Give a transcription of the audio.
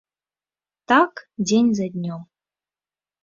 Так дзень за днём.